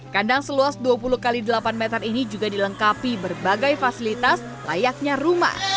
kandang seluas dua puluh x delapan meter ini juga dilengkapi berbagai fasilitas layaknya rumah